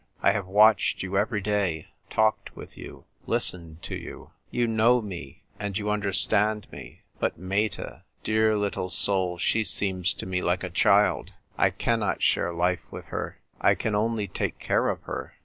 I have watched you every day, talked with you, listened Lo you. You know me and " O, ROMEO, ROMEO I " 219 you understand me. But Meta, dear little soul, she seems to me like a child. I cannot share life with her, I can only take care of her.